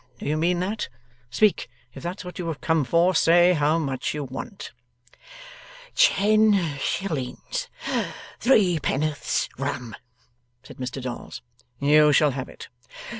Do you mean that? Speak! If that's what you have come for, say how much you want.' 'Ten shillings Threepenn'orths Rum,' said Mr Dolls. 'You shall have it.